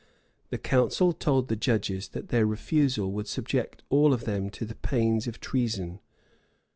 The council told the judges, that their refusal would subject all of them to the pains of treason.